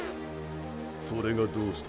それがどうした。